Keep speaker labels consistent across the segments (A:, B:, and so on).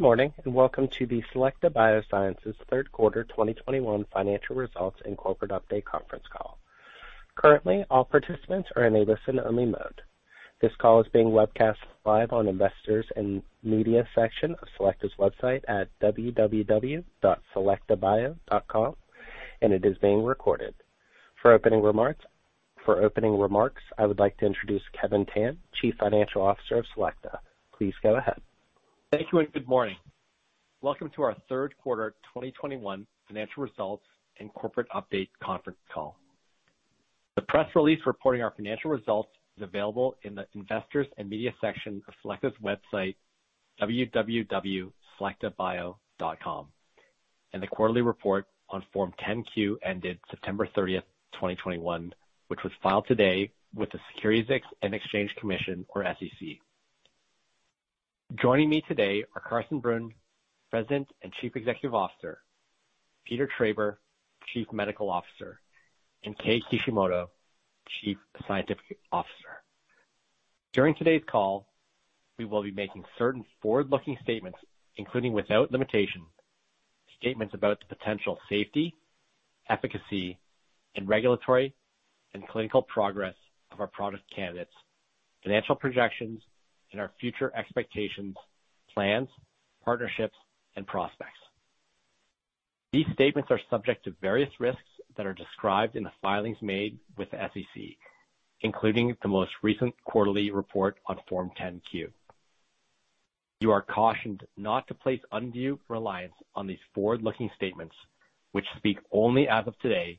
A: Good morning, and welcome to the Selecta Biosciences third quarter 2021 financial results and corporate update conference call. Currently, all participants are in a listen-only mode. This call is being webcast live on Investors and Media section of Selecta's website at www.selectabio.com, and it is being recorded. For opening remarks, I would like to introduce Kevin Tan, Chief Financial Officer of Selecta. Please go ahead.
B: Thank you and good morning. Welcome to our third quarter 2021 financial results and corporate update conference call. The press release reporting our financial results is available in the Investors and Media section of Selecta's website, www.selectabio.com, and the quarterly report on Form 10-Q ended September 30th, 2021, which was filed today with the Securities and Exchange Commission, or SEC. Joining me today are Carsten Brunn, President and Chief Executive Officer, Peter Traber, Chief Medical Officer, and Kei Kishimoto, Chief Scientific Officer. During today's call, we will be making certain forward-looking statements, including, without limitation, statements about the potential safety, efficacy, and regulatory and clinical progress of our product candidates, financial projections, and our future expectations, plans, partnerships, and prospects. These statements are subject to various risks that are described in the filings made with the SEC, including the most recent quarterly report on Form 10-Q. You are cautioned not to place undue reliance on these forward-looking statements which speak only as of today,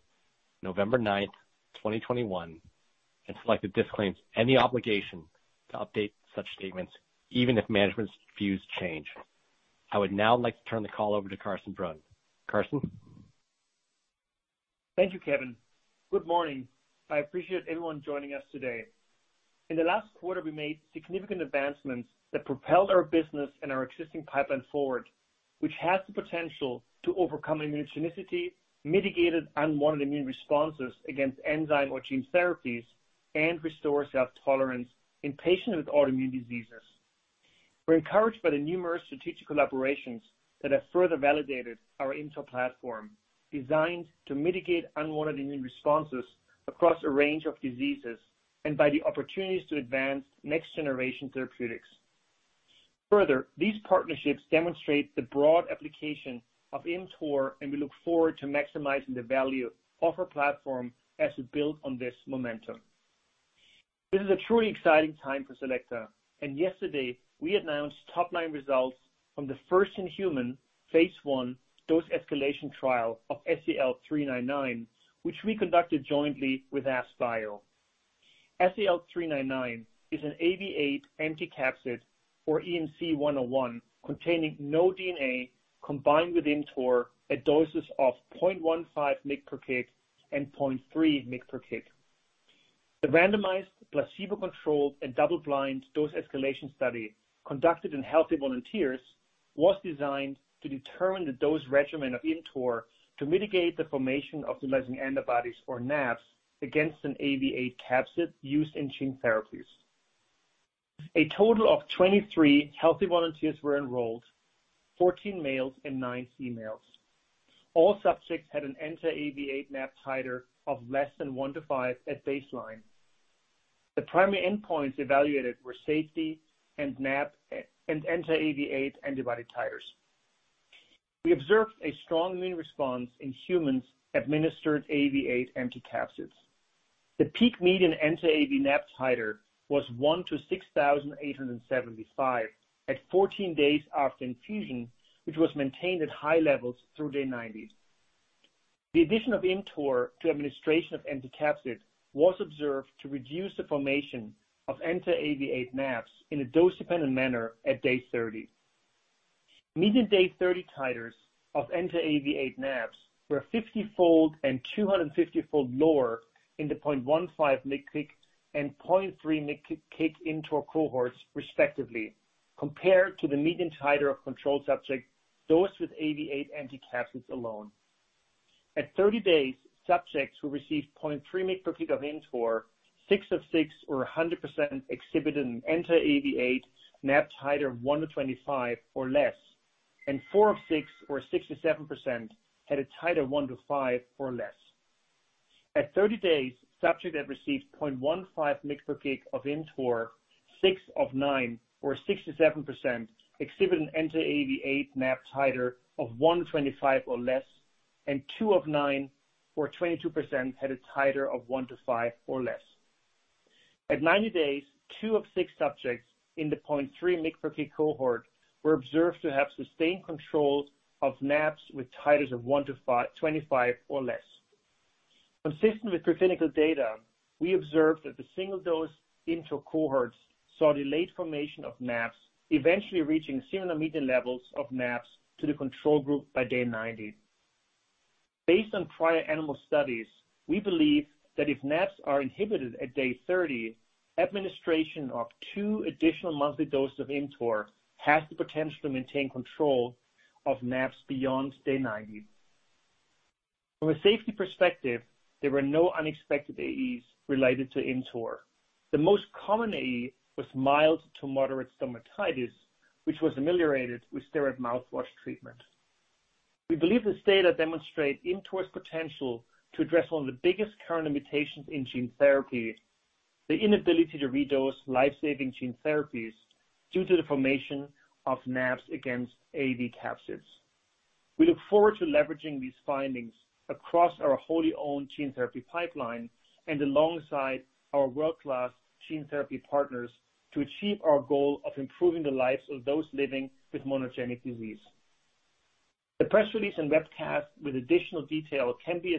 B: November 9th, 2021, and Selecta disclaims any obligation to update such statements, even if management's views change. I would now like to turn the call over to Carsten Brunn. Carsten?
C: Thank you, Kevin. Good morning. I appreciate everyone joining us today. In the last quarter, we made significant advancements that propelled our business and our existing pipeline forward, which has the potential to overcome immunogenicity, mitigated unwanted immune responses against enzyme or gene therapies, and restore self-tolerance in patients with autoimmune diseases. We're encouraged by the numerous strategic collaborations that have further validated our ImmTOR platform, designed to mitigate unwanted immune responses across a range of diseases and by the opportunities to advance next-generation therapeutics. Further, these partnerships demonstrate the broad application of ImmTOR, and we look forward to maximizing the value of our platform as it builds on this momentum. This is a truly exciting time for Selecta, and yesterday we announced top-line results from the first human phase I dose escalation trial of SEL-399, which we conducted jointly with AskBio. SEL-399 is an AAV8 empty capsid for EMC-101 containing no DNA combined with ImmTOR at doses of 0.15 mg/kg and 0.3 mg/kg. The randomized placebo-controlled and double-blind dose escalation study conducted in healthy volunteers was designed to determine the dose regimen of ImmTOR to mitigate the formation of neutralizing antibodies, or NAbs, against an AAV8 capsid used in gene therapies. A total of 23 healthy volunteers were enrolled, 14 males and nine females. All subjects had an anti-AAV8 NAb titer of less than 1:5 at baseline. The primary endpoints evaluated were safety and NAbs and anti-AAV8 antibody titers. We observed a strong immune response in humans administered AAV8 empty capsids. The peak median anti-AAV NAb titer was 1:6,875 at 14 days after infusion, which was maintained at high levels through day 90. The addition of ImmTOR to administration of anti-capsid was observed to reduce the formation of anti-AAV8 NAbs in a dose-dependent manner at day 30. Median day 30 titers of anti-AAV8 NAbs were 50-fold and 250-fold lower in the 0.15 mg/kg and 0.3 mg/kg ImmTOR cohorts, respectively, compared to the median titer of control subjects dosed with AAV8 anti-capsids alone. At 30 days, subjects who received 0.3 mg/kg of ImmTOR, six of six or 100% exhibited an anti-AAV8 NAbs titer of 1-25 or less, and four of six or 67% had a titer of 1-5 or less. At 30 days, subjects that received 0.15 mg/kg of ImmTOR, six of nine or 67% exhibited an anti-AAV8 NAB titer of 1:25 or less, and two of nine or 22% had a titer of 1:5 or less. At 90 days, two of six subjects in the 0.3 mg/kg cohort were observed to have sustained control of NABs with titers of 1:5-1:25 or less. Consistent with preclinical data, we observed that the single-dose ImmTOR cohorts saw delayed formation of NABs, eventually reaching similar median levels of NABs to the control group by day 90. Based on prior animal studies, we believe that if NAbs are inhibited at day 30, administration of two additional monthly doses of ImmTOR has the potential to maintain control of NAbs beyond day 90. From a safety perspective, there were no unexpected AEs related to ImmTOR. The most common AE was mild to moderate stomatitis, which was ameliorated with steroid mouthwash treatment. We believe this data demonstrate ImmTOR's potential to address one of the biggest current limitations in gene therapy, the inability to redose life-saving gene therapies due to the formation of NAbs against AAV capsids. We look forward to leveraging these findings across our wholly-owned gene therapy pipeline and alongside our world-class gene therapy partners to achieve our goal of improving the lives of those living with monogenic disease. The press release and webcast with additional detail can be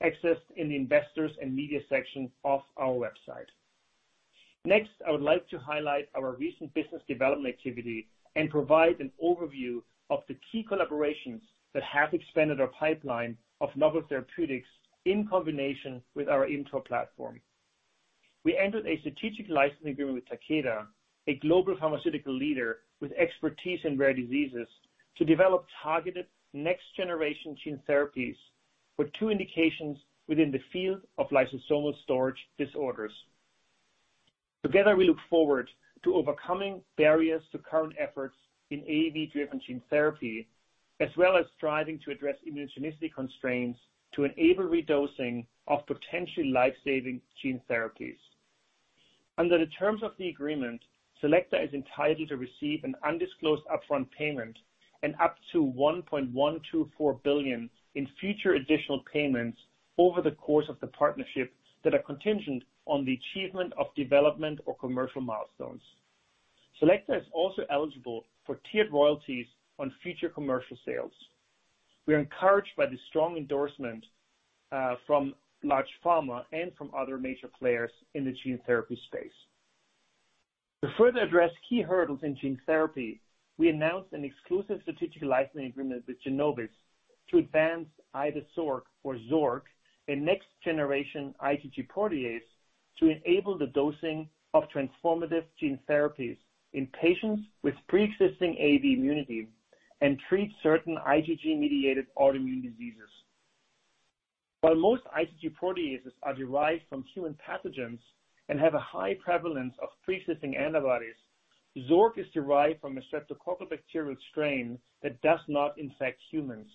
C: accessed in the Investors and Media section of our website. Next, I would like to highlight our recent business development activity and provide an overview of the key collaborations that have expanded our pipeline of novel therapeutics in combination with our ImmTOR platform. We entered a strategic licensing agreement with Takeda, a global pharmaceutical leader with expertise in rare diseases, to develop targeted next-generation gene therapies for two indications within the field of lysosomal storage disorders. Together, we look forward to overcoming barriers to current efforts in AAV-driven gene therapy, as well as striving to address immunogenicity constraints to enable redosing of potentially life-saving gene therapies. Under the terms of the agreement, Selecta is entitled to receive an undisclosed upfront payment and up to $1.124 billion in future additional payments over the course of the partnership that are contingent on the achievement of development or commercial milestones. Selecta is also eligible for tiered royalties on future commercial sales. We are encouraged by the strong endorsement from large pharma and from other major players in the gene therapy space. To further address key hurdles in gene therapy, we announced an exclusive strategic licensing agreement with Genovis to advance IdeXork or Xork, a next-generation IgG protease to enable the dosing of transformative gene therapies in patients with pre-existing AAV immunity and treat certain IgG-mediated autoimmune diseases. While most IgG proteases are derived from human pathogens and have a high prevalence of pre-existing antibodies, Xork is derived from a streptococcal bacterial strain that does not infect humans.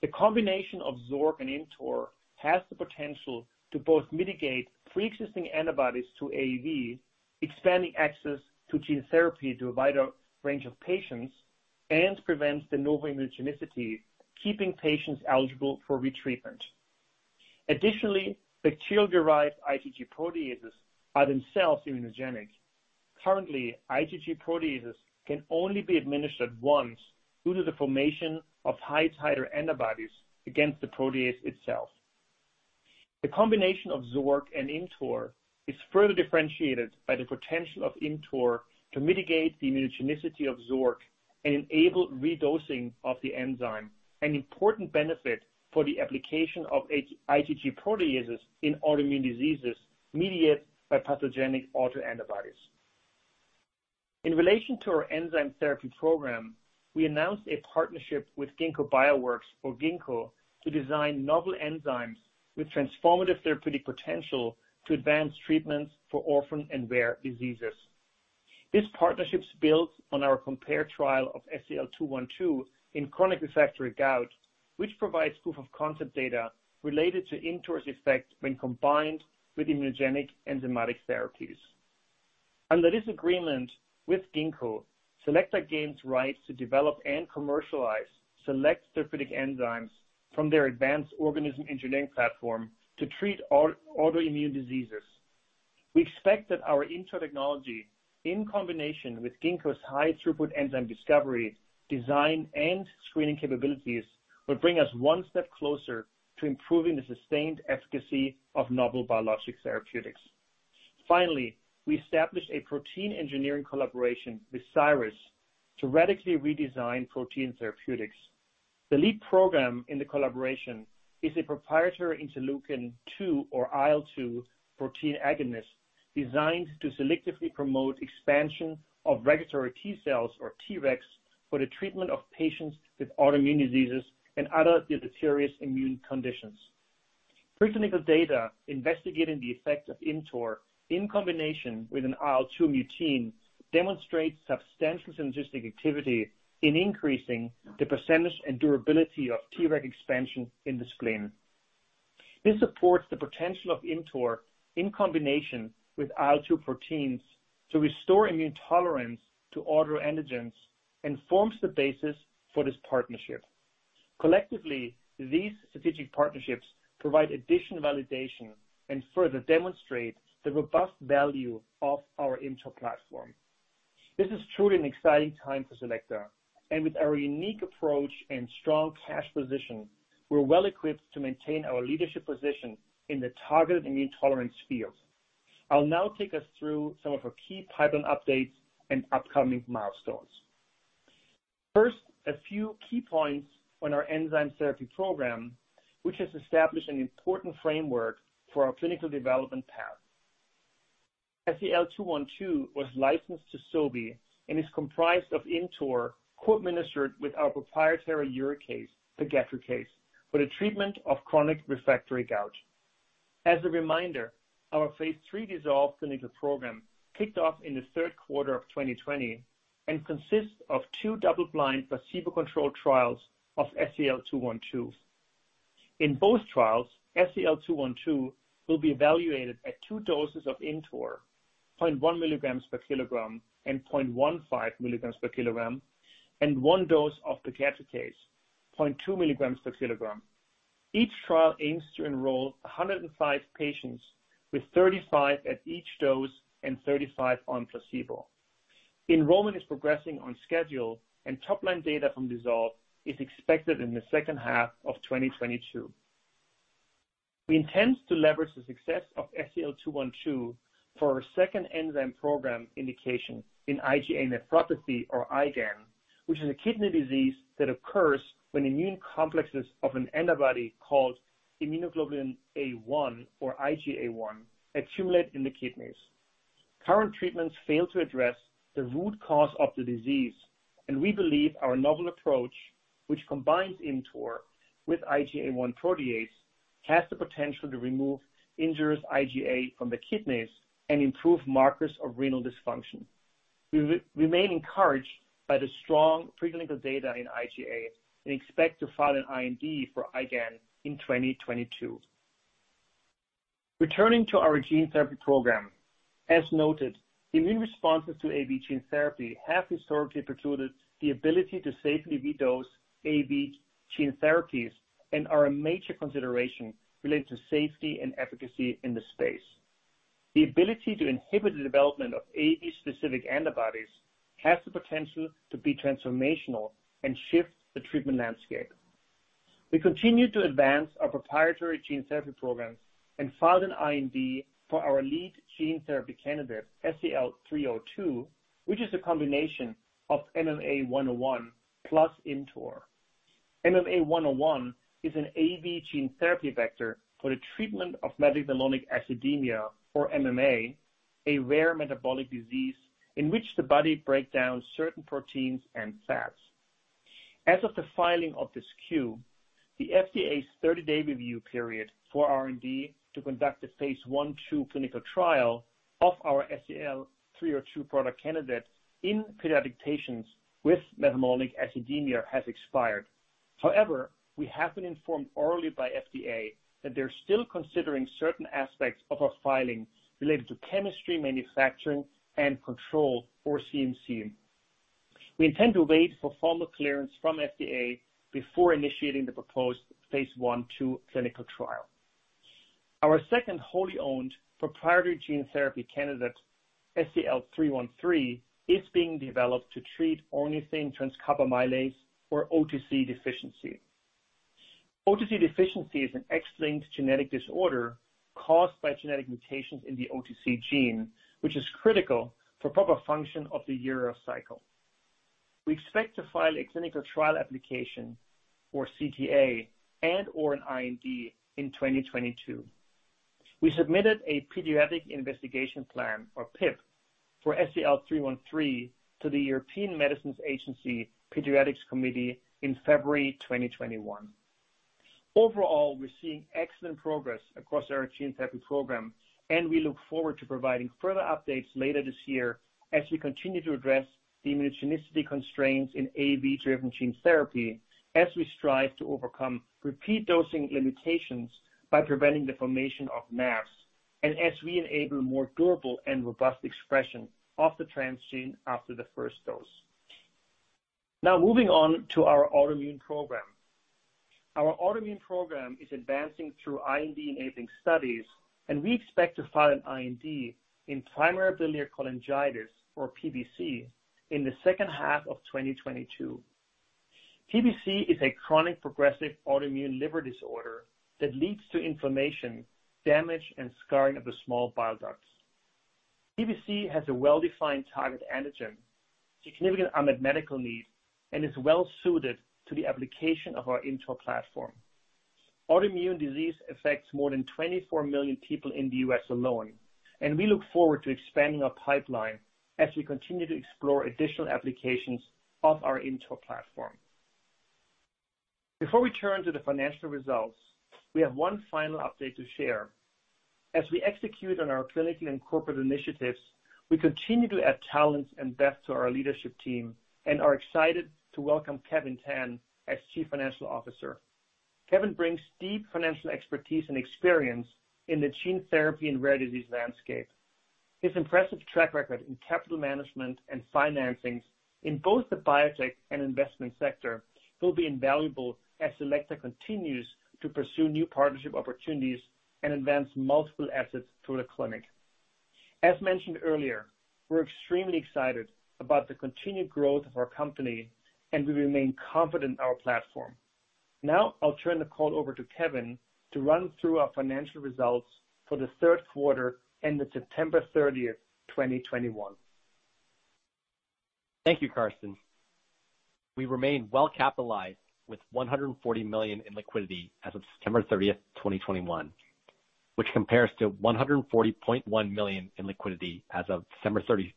C: The combination of Xork and ImmTOR has the potential to both mitigate pre-existing antibodies to AAV, expanding access to gene therapy to a wider range of patients, and prevents de novo immunogenicity, keeping patients eligible for retreatment. Additionally, bacterial-derived IgG proteases are themselves immunogenic. Currently, IgG proteases can only be administered once due to the formation of high titer antibodies against the protease itself. The combination of Xork and ImmTOR is further differentiated by the potential of ImmTOR to mitigate the immunogenicity of Xork and enable redosing of the enzyme, an important benefit for the application of IgG proteases in autoimmune diseases mediated by pathogenic autoantibodies. In relation to our enzyme therapy program, we announced a partnership with Ginkgo Bioworks or Ginkgo, to design novel enzymes with transformative therapeutic potential to advance treatments for orphan and rare diseases. This partnership's built on our COMPARE trial of SEL-212 in chronic refractory gout, which provides proof of concept data related to ImmTOR's effect when combined with immunogenic enzymatic therapies. Under this agreement with Ginkgo, Selecta gains rights to develop and commercialize select therapeutic enzymes from their advanced organism engineering platform to treat autoimmune diseases. We expect that our ImmTOR technology, in combination with Ginkgo's high-throughput enzyme discovery, design, and screening capabilities, will bring us one step closer to improving the sustained efficacy of Novel biologic therapeutics. Finally, we established a protein engineering collaboration with Cyrus to radically redesign protein therapeutics. The lead program in the collaboration is a proprietary interleukin-two or IL-2 protein agonist designed to selectively promote expansion of regulatory T-cells or Tregs for the treatment of patients with autoimmune diseases and other deleterious immune conditions. Preclinical data investigating the effect of ImmTOR in combination with an IL-2 mutein demonstrates substantial synergistic activity in increasing the percentage and durability of Treg expansion in the spleen. This supports the potential of ImmTOR in combination with IL-2 proteins to restore immune tolerance to autoantigens and forms the basis for this partnership. Collectively, these strategic partnerships provide additional validation and further demonstrate the robust value of our ImmTOR platform. This is truly an exciting time for Selecta, and with our unique approach and strong cash position, we're well-equipped to maintain our leadership position in the targeted immune tolerance field. I'll now take us through some of our key pipeline updates and upcoming milestones. First, a few key points on our enzyme therapy program, which has established an important framework for our clinical development path. SEL-212 was licensed to Sobi and is comprised of ImmTOR co-administered with our proprietary uricase, pegadricase, for the treatment of chronic refractory gout. As a reminder, our phase III DISSOLVE clinical program kicked off in the third quarter of 2020 and consists of two double-blind placebo-controlled trials of SEL-212. In both trials, SEL-212 will be evaluated at two doses of ImmTOR, 0.1 mg/kg and 0.15 mg/kg, and one dose of pegadricase, 0.2 mg/kg. Each trial aims to enroll 105 patients with 35 at each dose and 35 on placebo. Enrollment is progressing on schedule and top-line data from DISSOLVE is expected in the second half of 2022. We intend to leverage the success of SEL-212 for our second enzyme program indication in IgA nephropathy or IgAN, which is a kidney disease that occurs when immune complexes of an antibody called immunoglobulin A1 or IgA1 accumulate in the kidneys. Current treatments fail to address the root cause of the disease, and we believe our novel approach, which combines ImmTOR with IgA1 protease, has the potential to remove injurious IgA from the kidneys and improve markers of renal dysfunction. We remain encouraged by the strong preclinical data in IgA and expect to file an IND for IgAN in 2022. Returning to our gene therapy program. As noted, immune responses to AAV gene therapy have historically precluded the ability to safely redose AAV gene therapies and are a major consideration related to safety and efficacy in the space. The ability to inhibit the development of AAV-specific antibodies has the potential to be transformational and shift the treatment landscape. We continue to advance our proprietary gene therapy programs and filed an IND for our lead gene therapy candidate, SEL-302, which is a combination of MMA-101 plus ImmTOR. MMA-101 is an AAV gene therapy vector for the treatment of methylmalonic acidemia or MMA, a rare metabolic disease in which the body breaks down certain proteins and fats. As of the filing of this 10-Q, the FDA's 30-day review period for our IND to conduct the phase I/II clinical trial of our SEL-302 product candidate in pediatric patients with methylmalonic acidemia has expired. However, we have been informed orally by FDA that they're still considering certain aspects of our filing related to chemistry, manufacturing and control or CMC. We intend to wait for formal clearance from FDA before initiating the proposed phase I/II clinical trial. Our second wholly-owned proprietary gene therapy candidate, SEL-313, is being developed to treat ornithine transcarbamylase or OTC deficiency. OTC deficiency is an X-linked genetic disorder caused by genetic mutations in the OTC gene, which is critical for proper function of the urea cycle. We expect to file a clinical trial application or CTA and/or an IND in 2022. We submitted a pediatric investigation plan, or PIP, for SEL-313 to the European Medicines Agency Pediatrics Committee in February 2021. Overall, we're seeing excellent progress across our gene therapy program, and we look forward to providing further updates later this year as we continue to address the immunogenicity constraints in AAV-driven gene therapy, as we strive to overcome repeat dosing limitations by preventing the formation of NAbs, and as we enable more durable and robust expression of the transgene after the first dose. Now moving on to our autoimmune program. Our autoimmune program is advancing through IND-enabling studies, and we expect to file an IND in primary biliary cholangitis or PBC in the second half of 2022. PBC is a chronic progressive autoimmune liver disorder that leads to inflammation, damage, and scarring of the small bile ducts. PBC has a well-defined target antigen, significant unmet medical need, and is well-suited to the application of our ImmTOR platform. Autoimmune disease affects more than 24 million people in the U.S. alone, and we look forward to expanding our pipeline as we continue to explore additional applications of our ImmTOR platform. Before we turn to the financial results, we have one final update to share. As we execute on our clinical and corporate initiatives, we continue to add talent and depth to our leadership team and are excited to welcome Kevin Tan as Chief Financial Officer. Kevin brings deep financial expertise and experience in the gene therapy and rare disease landscape. His impressive track record in capital management and financings in both the biotech and investment sector will be invaluable as Selecta continues to pursue new partnership opportunities and advance multiple assets through the clinic. As mentioned earlier, we're extremely excited about the continued growth of our company, and we remain confident in our platform. Now, I'll turn the call over to Kevin to run through our financial results for the third quarter ended September 30th, 2021.
B: Thank you, Carsten. We remain well capitalized with $140 million in liquidity as of September 30th, 2021, which compares to $140.1 million in liquidity as of December 31th,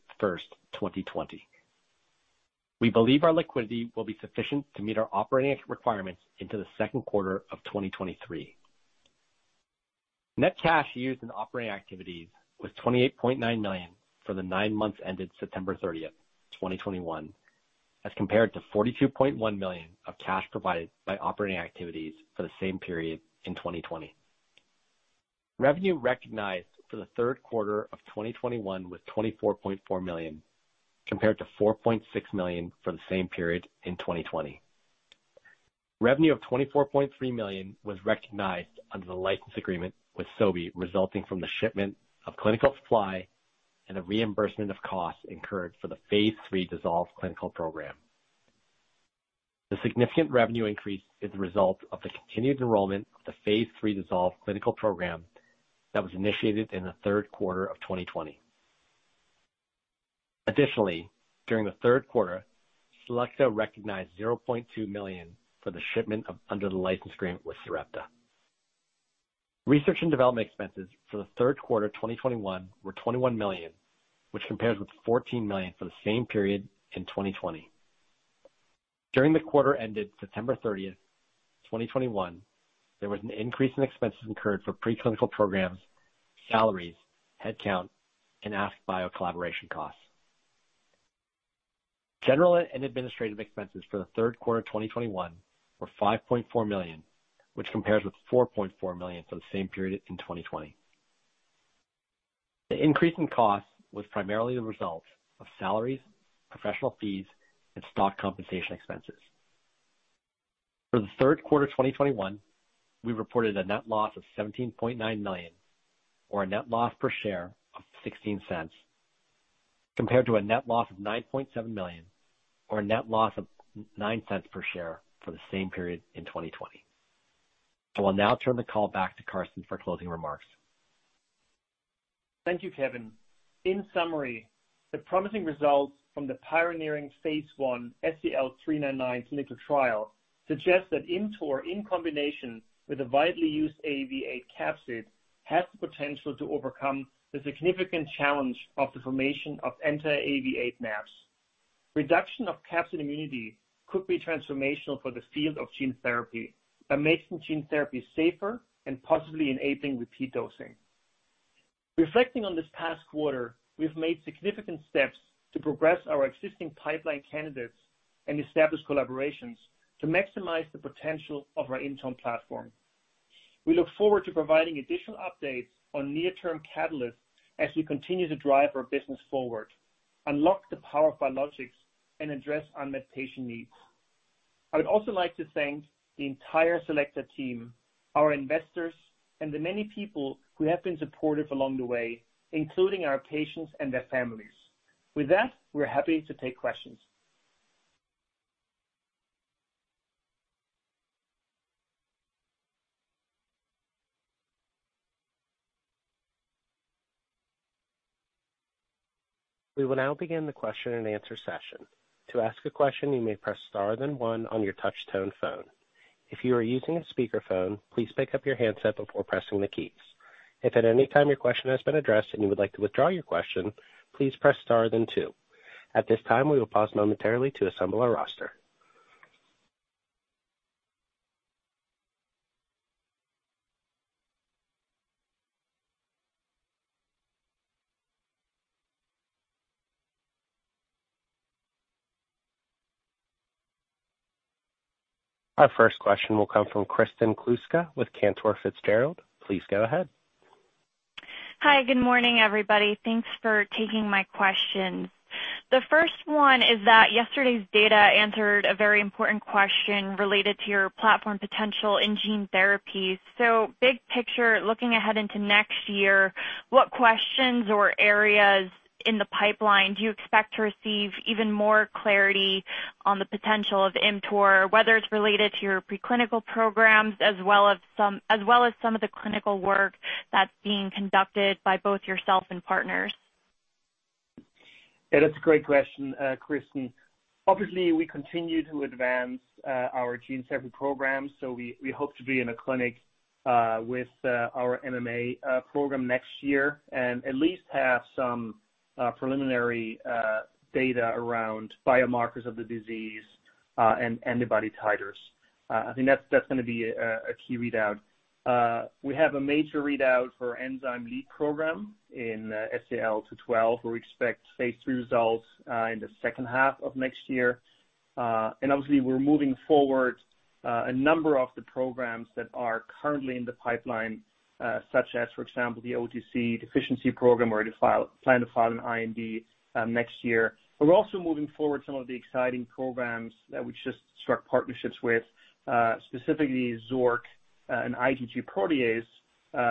B: 2020. We believe our liquidity will be sufficient to meet our operating requirements into the second quarter of 2023. Net cash used in operating activities was $28.9 million for the nine months ended September 30th, 2021, as compared to $42.1 million of cash provided by operating activities for the same period in 2020. Revenue recognized for the third quarter of 2021 was $24.4 million, compared to $4.6 million for the same period in 2020. Revenue of $24.3 million was recognized under the license agreement with Sobi, resulting from the shipment of clinical supply and the reimbursement of costs incurred for the phase III DISSOLVE clinical program. The significant revenue increase is the result of the continued enrollment of the phase III DISSOLVE clinical program that was initiated in the third quarter of 2020. Additionally, during the third quarter, Selecta recognized $0.2 million for the shipment under the license agreement with Sarepta. Research and development expenses for the third quarter 2021 were $21 million, which compares with $14 million for the same period in 2020. During the quarter ended September 30th, 2021, there was an increase in expenses incurred for preclinical programs, salaries, headcount, and AskBio collaboration costs. General and administrative expenses for the third quarter 2021 were $5.4 million, which compares with $4.4 million for the same period in 2020. The increase in costs was primarily the result of salaries, professional fees, and stock compensation expenses. For the third quarter 2021, we reported a net loss of $17.9 million or a net loss per share of $0.16, compared to a net loss of $9.7 million or a net loss per share of $0.09 for the same period in 2020. I will now turn the call back to Carsten for closing remarks.
C: Thank you, Kevin. In summary, the promising results from the pioneering phase I SEL-399 clinical trial suggest that ImmTOR in combination with a widely used AAV8 capsid has the potential to overcome the significant challenge of the formation of anti-AAV8 NAbs. Reduction of capsid immunity could be transformational for the field of gene therapy by making gene therapy safer and possibly enabling repeat dosing. Reflecting on this past quarter, we've made significant steps to progress our existing pipeline candidates and establish collaborations to maximize the potential of our ImmTOR platform. We look forward to providing additional updates on near-term catalysts as we continue to drive our business forward, unlock the power of biologics, and address unmet patient needs. I would also like to thank the entire Selecta team, our investors, and the many people who have been supportive along the way, including our patients and their families. With that, we're happy to take questions.
A: We will now begin the question-and-answer session. To ask a question, you may press star then one on your touch tone phone. If you are using a speakerphone, please pick up your handset before pressing the keys. If at any time your question has been addressed and you would like to withdraw your question, please press star then two. At this time, we will pause momentarily to assemble our roster. Our first question will come from Kristen Kluska with Cantor Fitzgerald. Please go ahead.
D: Hi, good morning, everybody. Thanks for taking my questions. The first one is that yesterday's data answered a very important question related to your platform potential in gene therapies. Big picture, looking ahead into next year, what questions or areas in the pipeline do you expect to receive even more clarity on the potential of ImmTOR, whether it's related to your preclinical programs as well as some of the clinical work that's being conducted by both yourself and partners?
C: Yeah, that's a great question, Kristen. Obviously, we continue to advance our gene therapy program, so we hope to be in a clinic with our MMA program next year and at least have some preliminary data around biomarkers of the disease and antibody titers. I think that's gonna be a key readout. We have a major readout for enzyme lead program in SEL-212, where we expect phase III results in the second half of next year. Obviously we're moving forward a number of the programs that are currently in the pipeline, such as, for example, the OTC deficiency program where we plan to file an IND next year. We're also moving forward some of the exciting programs that we just struck partnerships with, specifically Xork and IgG protease,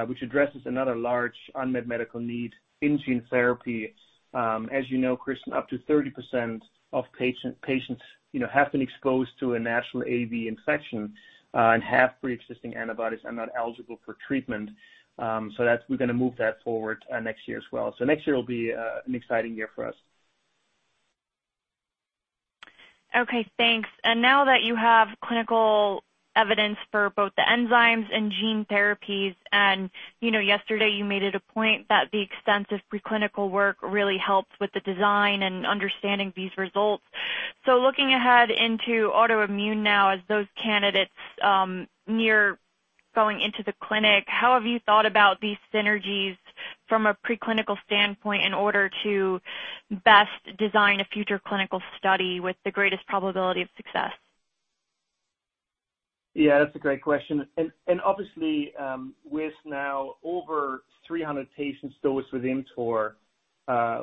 C: which addresses another large unmet medical need in gene therapy. As you know, Kristen, up to 30% of patients, you know, have been exposed to a natural AAV infection and have pre-existing antibodies and not eligible for treatment. That's. We're gonna move that forward next year as well. Next year will be an exciting year for us.
D: Okay, thanks. Now that you have clinical evidence for both the enzymes and gene therapies, and, you know, yesterday you made it a point that the extensive preclinical work really helps with the design and understanding these results. Looking ahead into autoimmune now, as those candidates near going into the clinic, how have you thought about these synergies from a preclinical standpoint in order to best design a future clinical study with the greatest probability of success?
C: Yeah, that's a great question. Obviously, with now over 300 patients dosed with ImmTOR,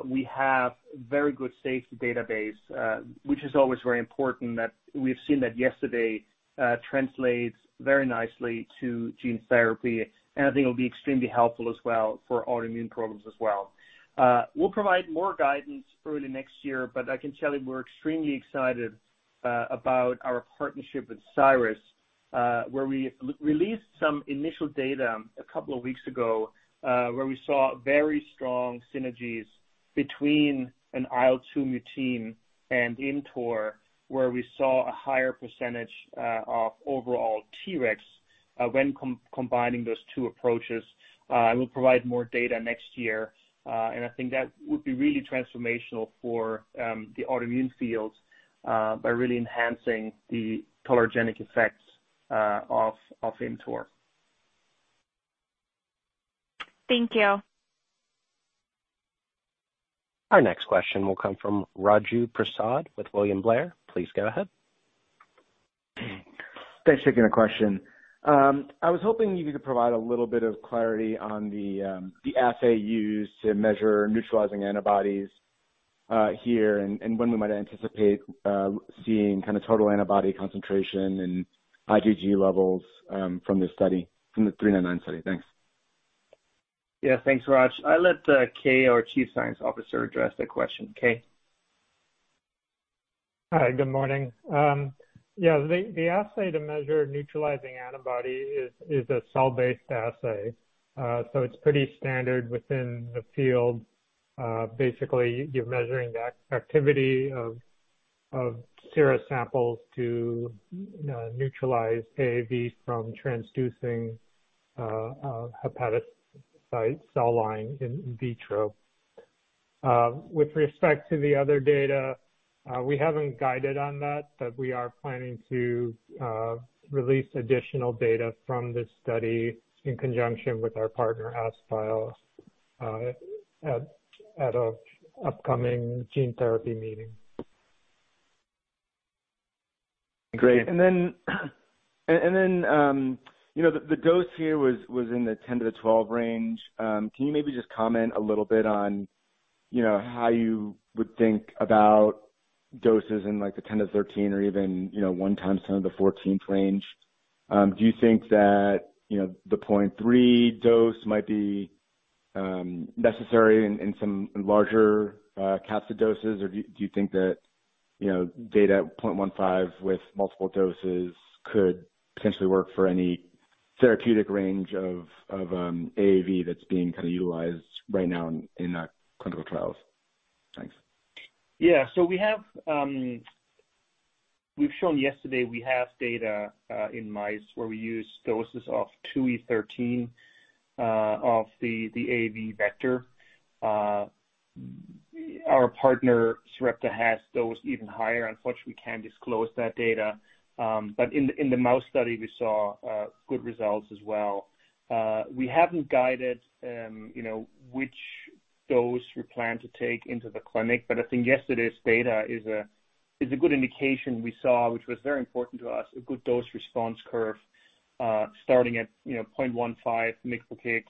C: we have very good safety database, which is always very important that we've seen that yesterday translates very nicely to gene therapy, and I think it'll be extremely helpful as well for autoimmune problems as well. We'll provide more guidance early next year, but I can tell you we're extremely excited about our partnership with Cyrus, where we released some initial data a couple of weeks ago, where we saw very strong synergies between an IL-2 mutein and ImmTOR, where we saw a higher percentage of overall Tregs when combining those two approaches. We'll provide more data next year. I think that would be really transformational for the autoimmune field by really enhancing the tolerogenic effects of ImmTOR.
D: Thank you.
A: Our next question will come from Raju Prasad with William Blair. Please go ahead.
E: Thanks for taking the question. I was hoping you could provide a little bit of clarity on the assay used to measure neutralizing antibodies here and when we might anticipate seeing kind of total antibody concentration and IgG levels from the SEL-399 study. Thanks.
C: Yeah. Thanks, Raj. I'll let Kei, our Chief Scientific Officer, address that question. Kei.
F: Hi. Good morning. The assay to measure neutralizing antibody is a cell-based assay. So it's pretty standard within the field. Basically you're measuring the activity of sera samples to neutralize AAV from transducing hepatocyte cell line in vitro. With respect to the other data, we haven't guided on that, but we are planning to release additional data from this study in conjunction with our partner, AskBio, at an upcoming gene therapy meeting.
E: Great. You know, the dose here was in the 10^{12} range. Can you maybe just comment a little bit on, you know, how you would think about doses in like the 10^{13} or even, you know, 1 × 10^{14} range? Do you think that, you know, the 0.3 dose might be necessary in some larger capsid doses? Or do you think that, you know, data at 0.15 with multiple doses could potentially work for any therapeutic range of AAV that's being kind of utilized right now in clinical trials? Thanks.
C: Yeah. We have. We've shown yesterday we have data in mice where we use doses of 2e13 of the AAV vector. Our partner Sarepta has dosed even higher. Unfortunately, we can't disclose that data. In the mouse study, we saw good results as well. We haven't guided, you know, which dose we plan to take into the clinic. I think yesterday's data is a good indication we saw, which was very important to us, a good dose response curve starting at, you know, 0.15 micrograms,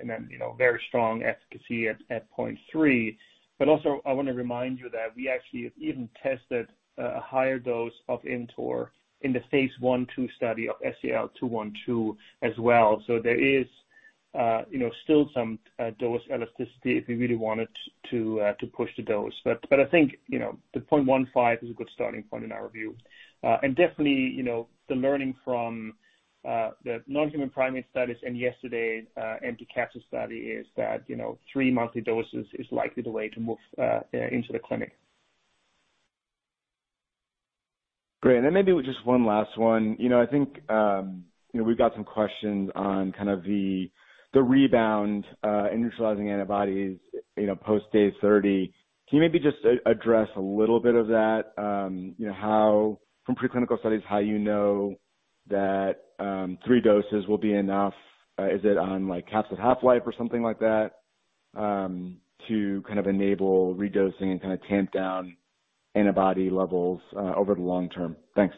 C: and then, you know, very strong efficacy at 0.3. I wanna remind you that we actually have even tested a higher dose of ImmTOR in the phase I/II study of SEL-212 as well. There is still some dose elasticity if we really wanted to push the dose. I think 0.15 is a good starting point in our view. And definitely, the learning from the non-human primate studies and yesterday's empty capsid study is that three monthly doses is likely the way to move into the clinic.
E: Great. Maybe just one last one. You know, I think, you know, we've got some questions on kind of the rebound in neutralizing antibodies, you know, post day 30. Can you maybe just address a little bit of that? You know, how from preclinical studies, how you know that, three doses will be enough? Is it on, like, capsid half-life or something like that, to kind of enable redosing and kind of tamp down antibody levels, over the long term? Thanks.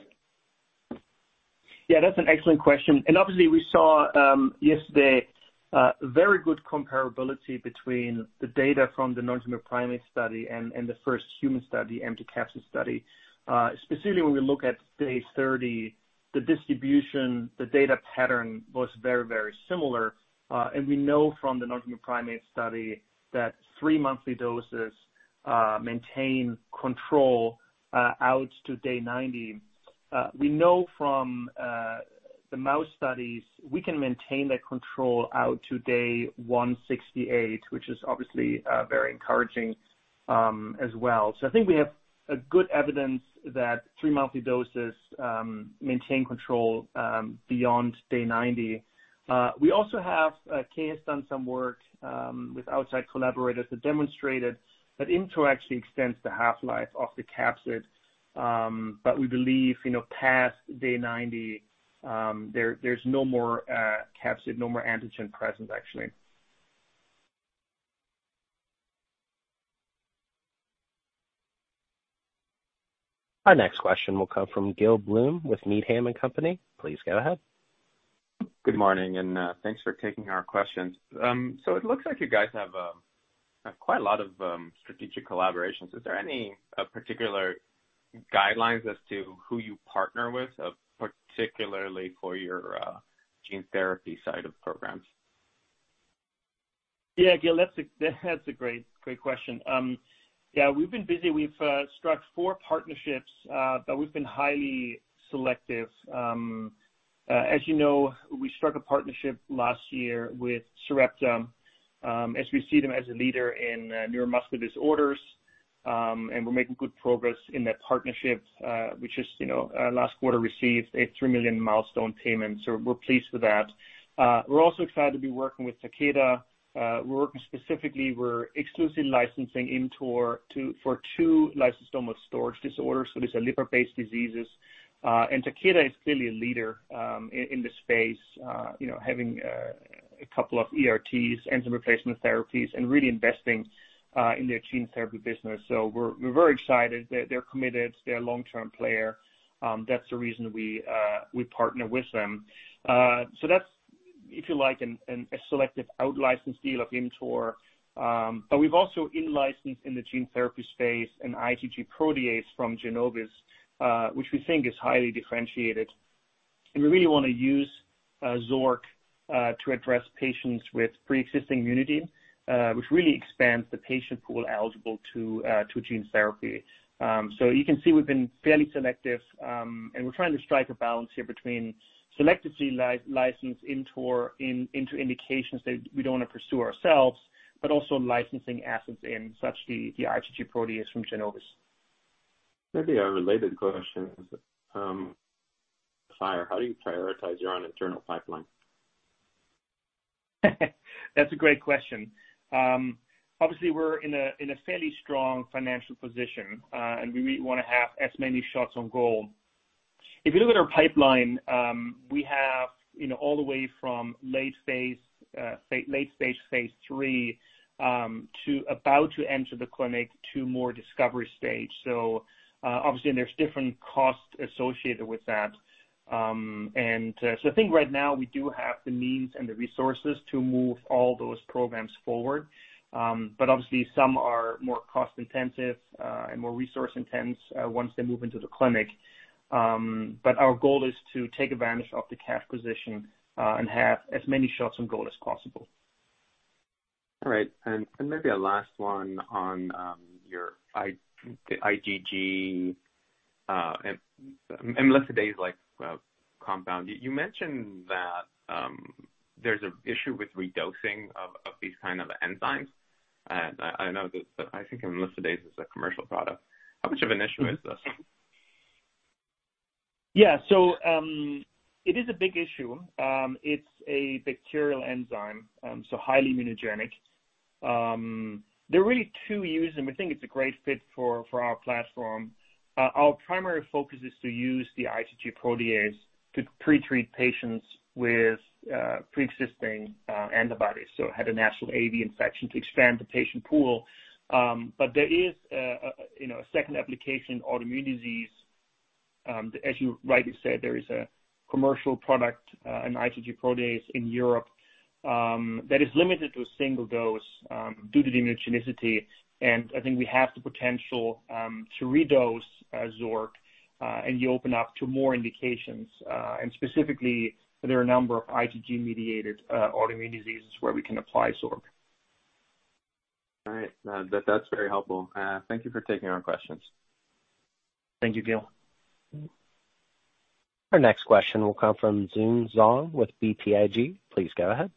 C: Yeah, that's an excellent question. Obviously we saw yesterday very good comparability between the data from the non-human primate study and the first human study, empty capsule study. Specifically when we look at day 30, the distribution, the data pattern was very similar. We know from the non-human primate study that three monthly doses maintain control out to day 90. We know from the mouse studies we can maintain that control out to day 168, which is obviously very encouraging as well. I think we have a good evidence that three monthly doses maintain control beyond day 90. We also have Kei has done some work with outside collaborators that demonstrated that ImmTOR actually extends the half-life of the capsid, but we believe, you know, past day 90, there's no more capsid, no more antigen present actually.
A: Our next question will come from Gil Blum with Needham & Company. Please go ahead.
G: Good morning, and thanks for taking our questions. It looks like you guys have quite a lot of strategic collaborations. Is there any particular guidelines as to who you partner with, particularly for your gene therapy side of programs?
C: Yeah. Gil, that's a great question. Yeah, we've been busy. We've struck four partnerships, but we've been highly selective. As you know, we struck a partnership last year with Sarepta, as we see them as a leader in neuromuscular disorders. And we're making good progress in that partnership, which, you know, last quarter received a $3 million milestone payment, so we're pleased with that. We're also excited to be working with Takeda. We're working specifically. We're exclusively licensing for two lysosomal storage disorders. So these are liver-based diseases. And Takeda is clearly a leader in the space, you know, having a couple of ERTs, enzyme replacement therapies, and really investing in their gene therapy business. So we're very excited. They're committed. They're a long-term player. That's the reason we partner with them. That's, if you like, a Selecta outlicense deal out into our. We've also in-licensed in the gene therapy space an IgG protease from Genovis, which we think is highly differentiated. We really wanna use Xork to address patients with pre-existing immunity, which really expands the patient pool eligible to gene therapy. You can see we've been fairly selective, and we're trying to strike a balance here between selectively licensing into indications that we don't wanna pursue ourselves, but also licensing assets such as the IgG protease from Genovis.
G: Maybe a related question. First, how do you prioritize your own internal pipeline?
C: That's a great question. Obviously we're in a fairly strong financial position, and we wanna have as many shots on goal. If you look at our pipeline, we have, you know, all the way from late stage phase III to about to enter the clinic to more discovery stage. Obviously there's different costs associated with that. I think right now we do have the means and the resources to move all those programs forward. Obviously some are more cost intensive and more resource intense once they move into the clinic. Our goal is to take advantage of the cash position and have as many shots on goal as possible.
G: All right. Maybe a last one on your IgG and Imlifidase-like compound. You mentioned that there's an issue with redosing of these kind of enzymes. I know that I think Imlifidase is a commercial product. How much of an issue is this?
C: Yeah. It is a big issue. It's a bacterial enzyme, so highly immunogenic. There are really two uses, and we think it's a great fit for our platform. Our primary focus is to use the IgG protease to pre-treat patients with pre-existing antibodies from natural AAV infection to expand the patient pool. There is, you know, a second application, autoimmune disease. As you rightly said, there is a commercial product, an IgG protease in Europe, that is limited to a single dose due to the immunogenicity. I think we have the potential to redose Xork, and you open up to more indications. Specifically, there are a number of IgG-mediated autoimmune diseases where we can apply Xork.
G: All right. That's very helpful. Thank you for taking our questions.
C: Thank you, Gil.
A: Our next question will come from Yun Zhong with BTIG. Please go ahead.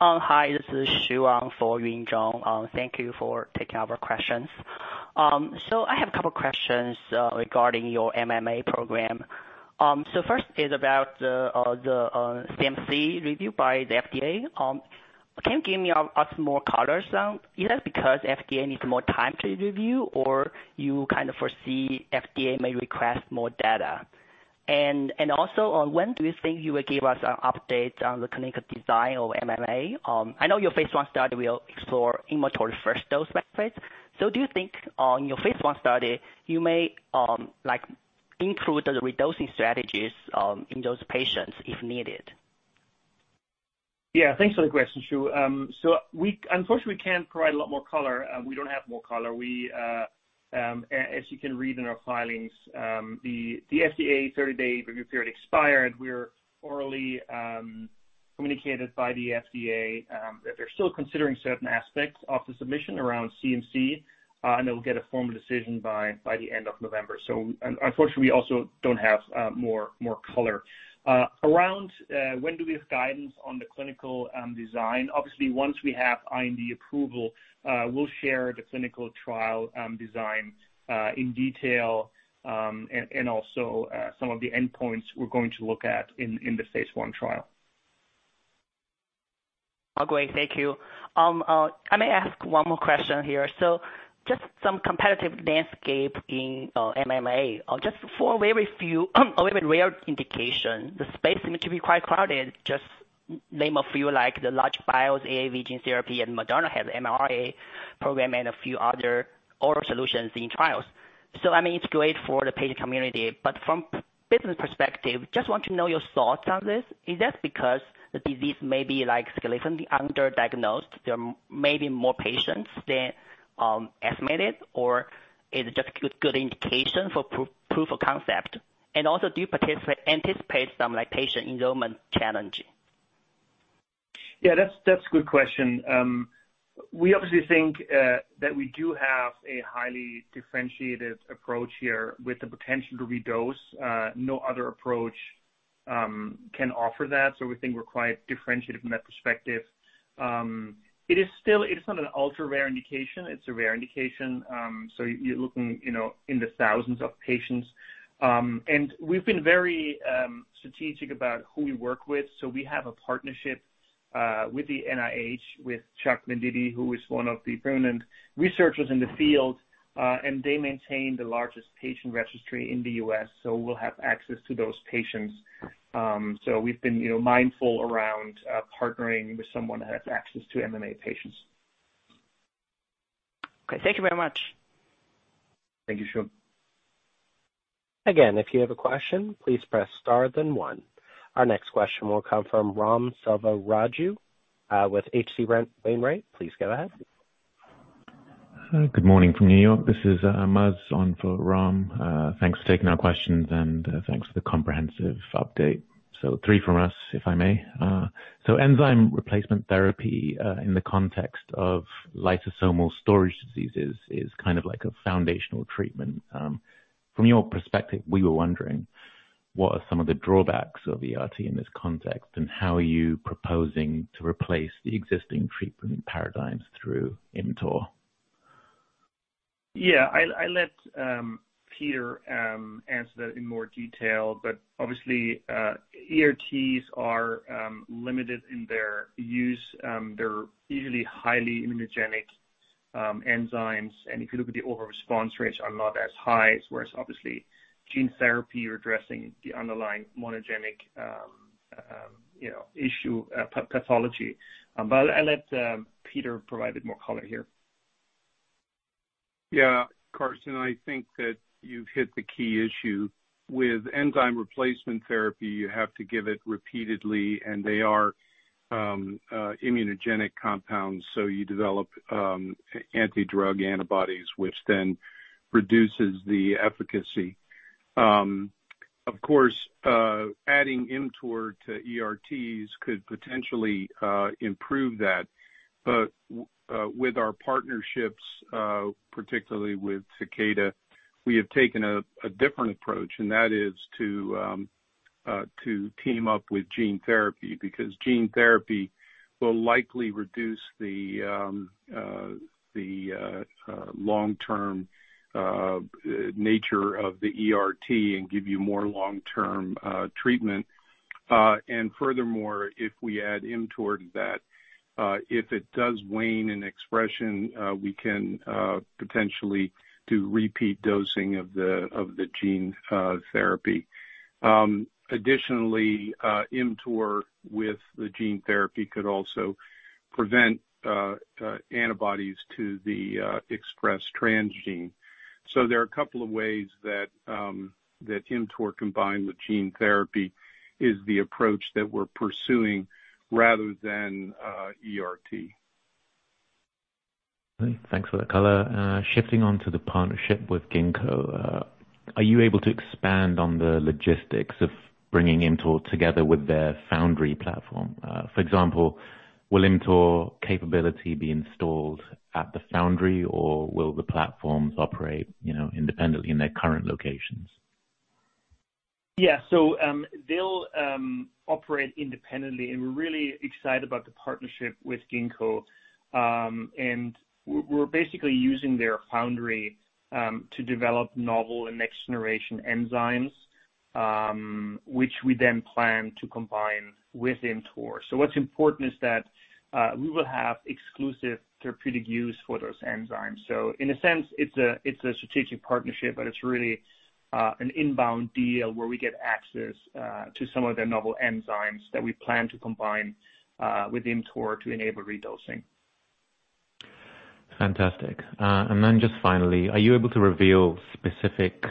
H: This is Xu Wang for Yun Zhong. Thank you for taking our questions. I have a couple questions regarding your MMA program. First is about the CMC review by the FDA. Can you give us more color on? Is that because FDA needs more time to review or you kind of foresee FDA may request more data? And also on when do you think you will give us an update on the clinical design of MMA? I know your phase I study will explore intravenous first dose methods. Do you think on your phase I study you may, like, include the redosing strategies in those patients if needed?
C: Yeah. Thanks for the question, Xu. Unfortunately, we can't provide a lot more color. We don't have more color. As you can read in our filings, the FDA 30-day review period expired. We're orally communicated by the FDA that they're still considering certain aspects of the submission around CMC. And they'll get a formal decision by the end of November. Unfortunately, we also don't have more color around when do we have guidance on the clinical design. Obviously once we have IND approval, we'll share the clinical trial design in detail, and also some of the endpoints we're going to look at in the phase I trial.
H: Oh, great. Thank you. I may ask one more question here. Just some competitive landscape in MMA. Just for a very rare indication, the space seems to be quite crowded. Just name a few, like the LogicBio AAV gene therapy and Moderna has mRNA program and a few other orphan solutions in trials. I mean, it's great for the patient community, but from a business perspective, just want to know your thoughts on this. Is that because the disease may be like significantly underdiagnosed, there may be more patients than estimated or is it just good indication for proof of concept? Also, do you anticipate some like patient enrollment challenge?
C: Yeah, that's a good question. We obviously think that we do have a highly differentiated approach here with the potential to redose. No other approach can offer that, so we think we're quite differentiated from that perspective. It is still not an ultra-rare indication. It's a rare indication. You're looking, you know, in the thousands of patients. We've been very strategic about who we work with. We have a partnership with the NIH, with Chuck Venditti, who is one of the prominent researchers in the field. They maintain the largest patient registry in the U.S., so we'll have access to those patients. We've been, you know, mindful around partnering with someone that has access to MMA patients.
H: Okay. Thank you very much.
C: Thank you, Xu.
A: Again, if you have a question, please press star then one. Our next question will come from Ram Selvaraju with H.C. Wainwright. Please go ahead.
I: Good morning from New York. This is Muzz on for Ram. Thanks for taking our questions, and thanks for the comprehensive update. Three from us, if I may. Enzyme replacement therapy in the context of lysosomal storage disorders is kind of like a foundational treatment. From your perspective, we were wondering, what are some of the drawbacks of ERT in this context, and how are you proposing to replace the existing treatment paradigms through ImmTOR?
C: Yeah. I let Peter answer that in more detail. Obviously, ERTs are limited in their use. They're usually highly immunogenic enzymes. If you look at the overall response rates are not as high as whereas obviously gene therapy, you're addressing the underlying monogenic issue, pathology. I'll let Peter provide a bit more color here.
J: Yeah. Carsten, I think that you've hit the key issue. With enzyme replacement therapy, you have to give it repeatedly, and they are immunogenic compounds. You develop anti-drug antibodies, which then reduces the efficacy. Of course, adding ImmTOR to ERTs could potentially improve that. With our partnerships, particularly with Takeda, we have taken a different approach, and that is to team up with gene therapy, because gene therapy will likely reduce the long-term nature of the ERT and give you more long-term treatment. Furthermore, if we add ImmTOR to that, if it does wane in expression, we can potentially do repeat dosing of the gene therapy. Additionally, ImmTOR with the gene therapy could also prevent antibodies to the expressed transgene. There are a couple of ways that ImmTOR combined with gene therapy is the approach that we're pursuing rather than ERT.
I: Thanks for the color. Shifting on to the partnership with Ginkgo. Are you able to expand on the logistics of bringing ImmTOR together with their foundry platform? For example, will ImmTOR capability be installed at the foundry, or will the platforms operate, you know, independently in their current locations?
C: Yeah. They'll operate independently, and we're really excited about the partnership with Ginkgo. We're basically using their foundry to develop novel and next-generation enzymes, which we then plan to combine with ImmTOR. What's important is that we will have exclusive therapeutic use for those enzymes. In a sense, it's a strategic partnership, but it's really an inbound deal where we get access to some of their novel enzymes that we plan to combine with ImmTOR to enable redosing.
I: Fantastic. Just finally, are you able to reveal specific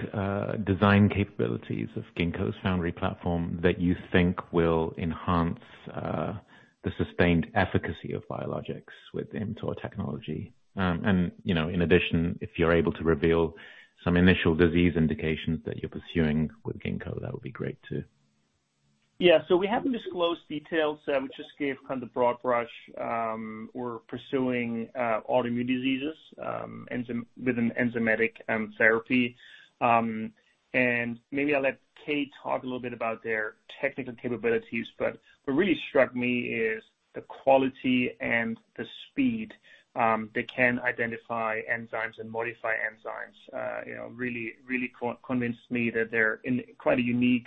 I: design capabilities of Ginkgo's foundry platform that you think will enhance the sustained efficacy of biologics with ImmTOR technology? You know, in addition, if you're able to reveal some initial disease indications that you're pursuing with Ginkgo, that would be great too.
C: We haven't disclosed details. We just gave kind of broad brush. We're pursuing autoimmune diseases with an enzymatic therapy. Maybe I'll let Kei Kishimoto talk a little bit about their technical capabilities, but what really struck me is the quality and the speed they can identify enzymes and modify enzymes. You know, really convinced me that they're in quite a unique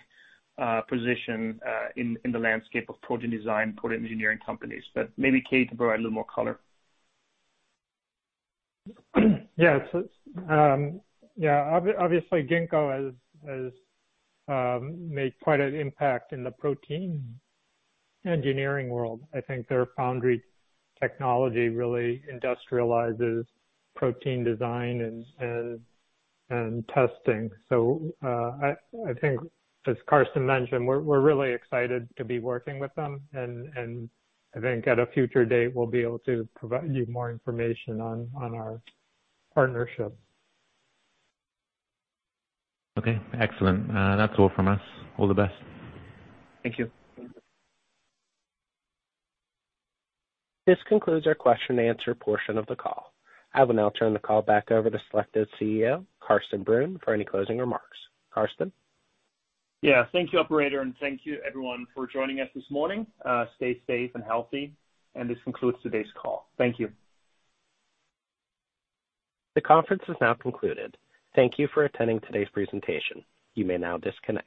C: position in the landscape of protein design, protein engineering companies. Maybe Kei Kishimoto can provide a little more color.
F: Obviously Ginkgo has made quite an impact in the protein engineering world. I think their foundry technology really industrializes protein design and testing. I think as Carsten mentioned, we're really excited to be working with them. I think at a future date, we'll be able to provide you more information on our partnership.
I: Okay, excellent. That's all from us. All the best.
C: Thank you.
A: This concludes our question and answer portion of the call. I will now turn the call back over to Selecta CEO, Carsten Brunn, for any closing remarks. Carsten?
C: Yeah. Thank you, operator, and thank you everyone for joining us this morning. Stay safe and healthy. This concludes today's call. Thank you.
A: The conference is now concluded. Thank you for attending today's presentation. You may now disconnect.